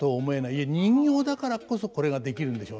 いや人形だからこそこれができるんでしょうね。